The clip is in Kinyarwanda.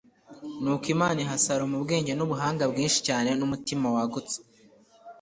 nuko imana iha salomo ubwenge n'ubuhanga bwinshi cyane n'umutima wagutse